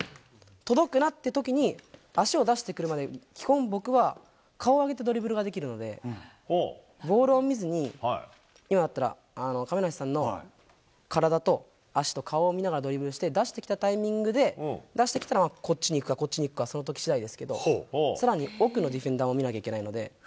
届くなってときに、足を出してくるまで、基本、僕は顔上げてドリブルができるので、ボールを見ずに、今だったら、亀梨さんの体と足と顔を見ながらドリブルして、出してきたタイミングで、出してきたら、こっちに行くか、こっちに行くか、そのときしだいですけど、さらに奥のディフェンダーを見なきゃいけないので。